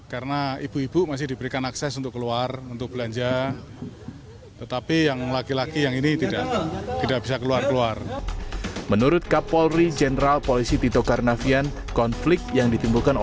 kabupaten mimika papua